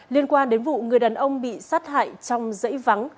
liên quan đến vụ người đàn ông bị sát hại trong dãy vắng